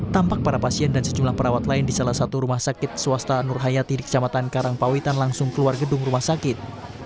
tampak para pasien dan sejumlah perawat lain di salah satu rumah sakit swasta nur hayati di kecamatan karangpawitan langsung keluar gedung rumah sakit